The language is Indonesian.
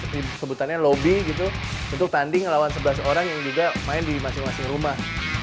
disebutannya lobby gitu untuk tanding lawan sebelas orang yang juga main di masing masing rumah